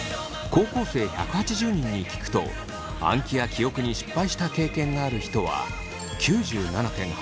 高校生１８０人に聞くと暗記や記憶に失敗した経験がある人は９７．８％。